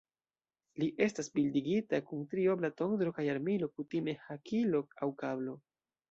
Li estas bildigita kun triobla tondro kaj armilo, kutime hakilo aŭ kablo.